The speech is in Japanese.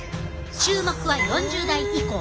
注目は４０代以降。